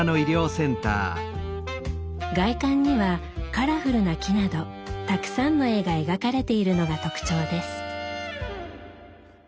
外観にはカラフルな木などたくさんの絵が描かれているのが特徴です。